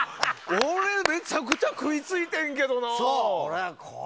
俺、めちゃくちゃ食いついてんねんけどな。